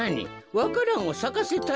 わか蘭をさかせたい？